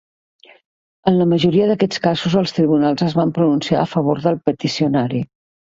En la majoria d'aquests casos, els tribunals es van pronunciar a favor del peticionari.